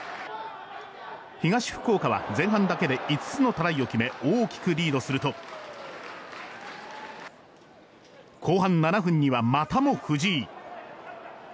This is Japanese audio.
東福岡は前半だけで５つのトライを決め大きくリードすると後半７分には、またも藤井。